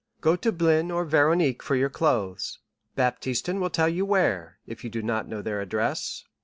Go to Blin or Véronique for your clothes. Baptistin will tell you where, if you do not know their address.